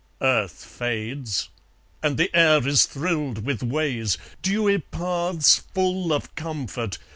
Earth fades; and the air is thrilled with ways, Dewy paths full of comfort.